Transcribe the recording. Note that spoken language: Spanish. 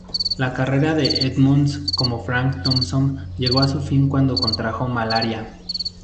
La carrera de Edmonds como Frank Thompson llegó a su fin cuando contrajo malaria.